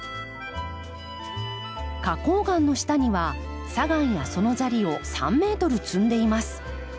花こう岩の下には砂岩やその砂利を３ｍ積んでいます。